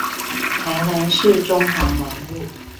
臺南市中華南路